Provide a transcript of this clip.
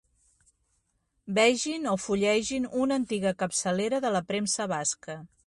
Vegin o fullegin una antiga capçalera de la premsa basca.